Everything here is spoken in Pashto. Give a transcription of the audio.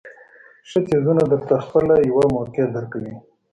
ښه څیزونه درته خپله یوه موقع درکوي.